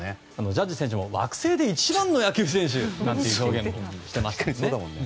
ジャッジ選手も惑星で一番の野球選手なんていう表現もしてましたよね。